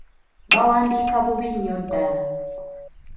Bawandiika bubi nnyo ddala.